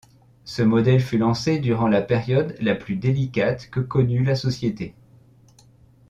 Ce modèle fut lancé durant la période la plus délicate que connut la société.